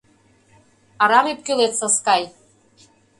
Арам ӧпкелет, Саскай!..